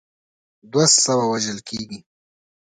دوه سوه وژل کیږي.